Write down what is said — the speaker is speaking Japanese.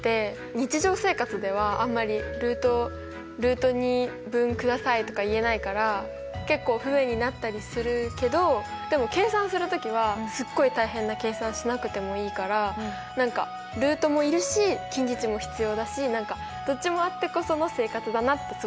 日常生活ではあんまりルートを分くださいとか言えないから結構不便になったりするけどでも計算する時はすっごい大変な計算しなくてもいいからルートもいるし近似値も必要だし何かどっちもあってこその生活だなってすごい思った。